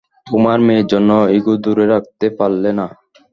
তোমার মেয়ের জন্য ইগো দূরে রাখতে পারলে না!